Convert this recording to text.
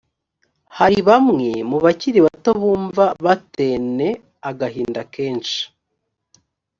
hari bamwe mu bakiri bato bumva baten’ agahinda kenshi